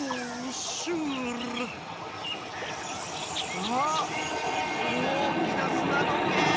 あっおおきなすなどけい！